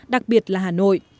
đặc biệt là hà nội